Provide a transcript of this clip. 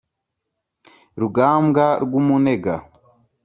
rugambwa rw'umunega